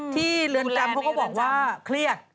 เรือนจำเขาก็บอกว่าเครียด